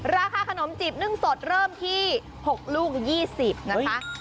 ราคาขนมจีบนึ่งสดเริ่มที่๖ลูก๒๐นะคะ